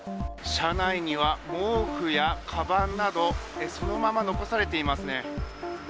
車内には毛布やかばんなど、そのまま残されていますね。